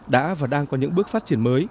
đã và đang có những bước phát triển mới